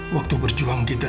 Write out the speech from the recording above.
waktu berjuang kita